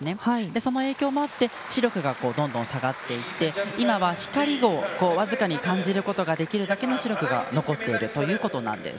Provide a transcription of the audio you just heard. その影響もあって視力がどんどん下がっていって今は、光を僅かに感じるだけの視力が残っているということなんです。